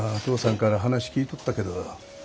父さんから話聞いとったけど。